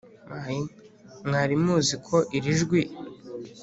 Mwari muzi ko iri jwi